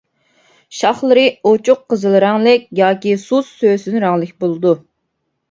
شاخلىرى ئوچۇق قىزىل رەڭلىك ياكى سۇس سۆسۈن رەڭلىك بولىدۇ.